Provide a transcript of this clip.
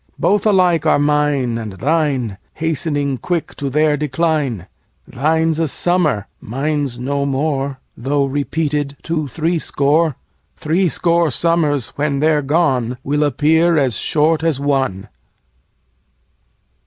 Both alike are mine and thine Hastening quick to their decline: Thine 's a summer, mine 's no more, Though repeated to threescore. 10 Threescore summers, when they're gone, Will appear as short as one!